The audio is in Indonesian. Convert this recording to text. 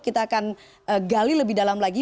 kita akan gali lebih dalam lagi